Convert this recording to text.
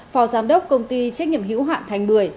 phó giám đốc công ty trách nhiệm hữu hạn thành bưởi